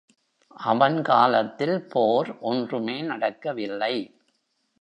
அவன் காலத்தில் போர் ஒன்றுமே நடக்கவில்லை.